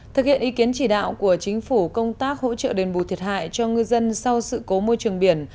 thực hiện ý kiến chỉ đạo của chính phủ công tác hỗ trợ đền bù thiệt hại cho ngư dân sau sự cố môi trường biển